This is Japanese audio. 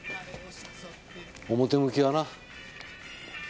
表向きはな。